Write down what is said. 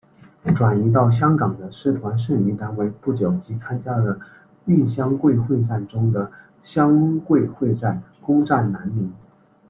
转移到香港的师团剩余单位不久即参加了豫湘桂会战中的湘桂会战攻占南宁。